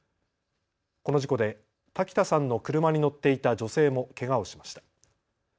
この事故で瀧田さんの車に乗っていた女性もけがをしました。